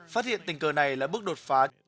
phát hiện tình cờ này là bước đột phá